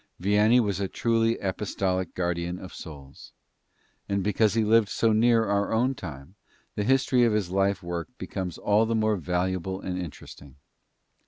Vianney was a truly apostolic guardian of souls. And because he lived so near our own time, the history of his life work becomes all the more valuable and interesting.